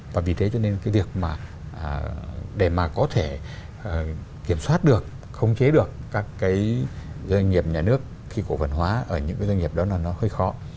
và vì thế cho nên cái việc mà để mà có thể kiểm soát được khống chế được các cái doanh nghiệp nhà nước khi cổ phần hóa ở những cái doanh nghiệp đó là nó hơi khó